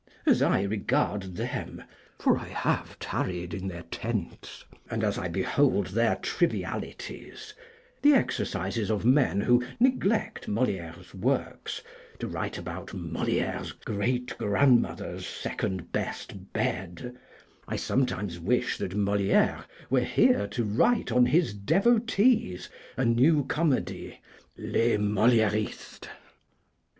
As I regard them (for I have tarried in their tents) and as I behold their trivialities the exercises of men who neglect Moliérés works to write about Moliére's great grandmother's second best bed I sometimes wish that Moliére were here to write on his devotees a new comedy, 'Les Moliéristes.'